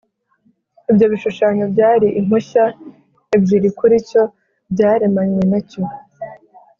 Ibyo bishushanyo byari impushya ebyiri kuri cyo, byaremanywe na cyo